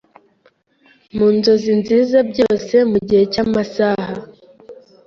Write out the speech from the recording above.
mu nzozi nziza Byose mugihecy amasaha